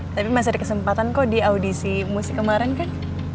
tapi masih ada kesempatan kok di audisi musik kemarin kan